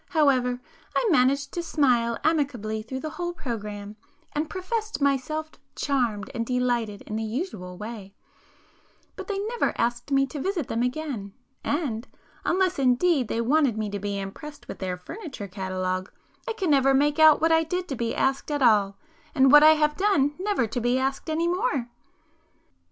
However I managed to smile amicably through the whole programme, and professed myself charmed and delighted in the usual way;—but they never asked me to visit them again,—and, (unless indeed they wanted me to be impressed with their furniture catalogue) I [p 317] can never make out what I did to be asked at all, and what I have done never to be asked any more!"